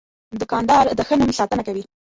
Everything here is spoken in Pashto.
دوکاندار د ښه نوم ساتنه کوي.